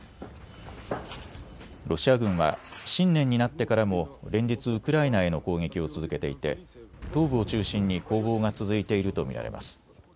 ロシア軍は新年になってからも連日ウクライナへの攻撃を続けていて東部を中心に攻防が続いていると見られます。